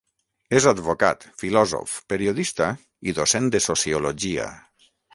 És advocat, filòsof, periodista i docent de sociologia.